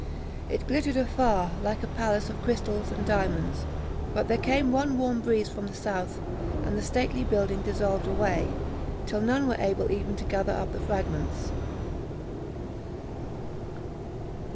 It glittered afar, like a palace of crystals and diamonds; but there came one warm breeze from the south, and the stately building dissolved away, till none were able even to gather up the fragments.